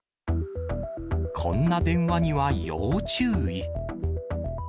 こんな電話には要注意。